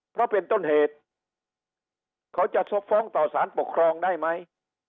เพราะเป็นต้นเหตุเขาจะฟ้องต่อสารปกครองได้ไหม